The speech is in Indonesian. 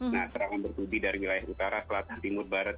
nah serangan bertubi dari wilayah utara selatan timur barat